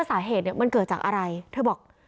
ประตู๓ครับ